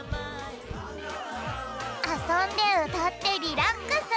あそんでうたってリラックス！